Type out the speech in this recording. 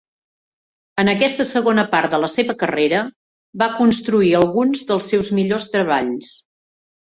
En aquesta segona part de la seva carrera va construir alguns dels seus millors treballs.